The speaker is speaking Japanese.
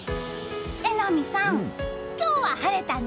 榎並さん、今日は晴れたね。